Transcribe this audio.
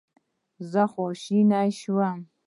زه خواشینی شوم.